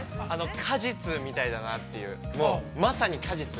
◆果実みたいだなというまさに果実。